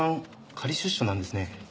仮出所なんですね？